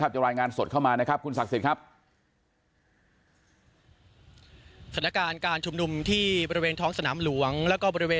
จะรายงานสดเข้ามานะครับคุณศักดิ์สิทธิ์ครับ